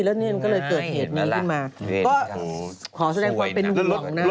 แล้วนี่ก็เลยเกิดเหตุนี้ขึ้นมาก็ขอแสดงว่าเป็นหุ่นห่องนั่น